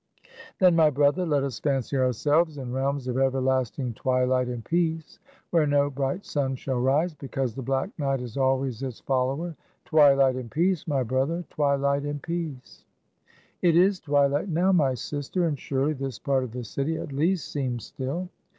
"Then, my brother, let us fancy ourselves in realms of everlasting twilight and peace, where no bright sun shall rise, because the black night is always its follower. Twilight and peace, my brother, twilight and peace!" "It is twilight now, my sister; and surely, this part of the city at least seems still."